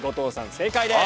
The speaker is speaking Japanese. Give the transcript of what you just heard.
正解です。